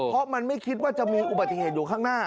เพราะมันไม่คิดว่าจะมีอุบัติเหตุอยู่ข้างหน้า